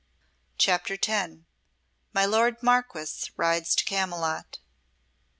CHAPTER X My Lord Marquess rides to Camylott.